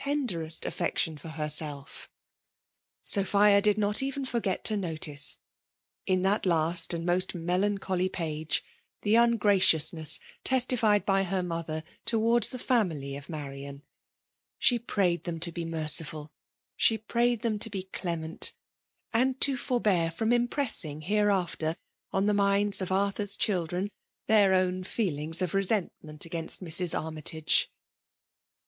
tenderest affection for hersdf ? Sophia did ncift even forget to notice in that last and most melancholy page, the ungraciousness testified by her mother towards the ikmily of Marian.* She prayed them to be mcrdfol. Sie^prayeir them to be clement ; and to forbear from im FfiMALK DOMINATION. 105 pressing hefeaftcr oh the mindB of Arthur's drildrifin, • their own feelmgs of resentment againit Mrs. Army tagc